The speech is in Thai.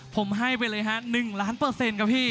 ผมให้ไปเลยฮะ๑ล้านเปอร์เซ็นต์ครับพี่